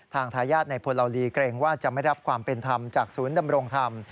ทายาทในพลวลีเกรงว่าจะไม่รับความเป็นธรรมจากศูนย์ดำรงธรรม